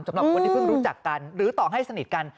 สำหรับคนที่เพิ่งรู้จักกันหรือต่อให้สนิทกัน